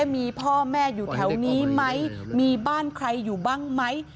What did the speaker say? มีพ่อแม่อยู่แถวนี้ไหมมีบ้านใครอยู่บ้างไหม